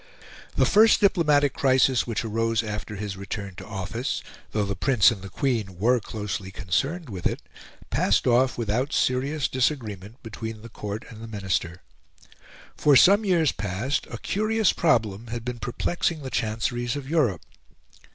The first diplomatic crisis which arose after his return to office, though the Prince and the Queen were closely concerned with it, passed off without serious disagreement between the Court and the Minister. For some years past a curious problem had been perplexing the chanceries of Europe.